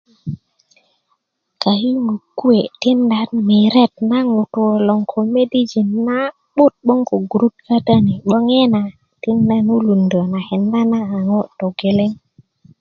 kayuŋwö kuwe tiinda nan miret na ŋutu loŋ ko midijin na'but 'boŋ ko gurut kata ni 'boŋ yina tiida ba wulundö na kenda na a ŋo' togeleŋ